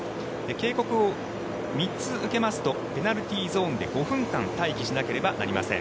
警告を３つ受けますとペナルティーゾーンで５分間待機しないといけません。